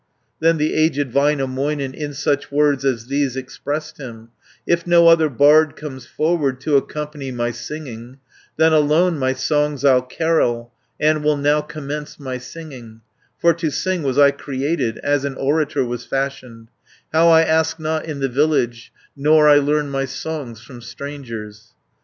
Then the aged Väinämöinen In such words as these expressed him: "If no other bard comes forward To accompany my singing, Then alone my songs I'll carol, And will now commence my singing, For to sing was I created, As an orator was fashioned; 360 How, I ask not in the village, Nor I learn my songs from strangers."